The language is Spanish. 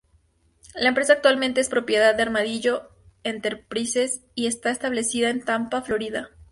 La empresa actualmente es propiedad de Armadillo Enterprises y está establecida en Tampa, Florida.